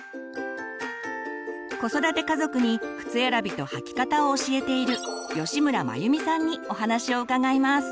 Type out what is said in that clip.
子育て家族に靴選びと履き方を教えている吉村眞由美さんにお話を伺います。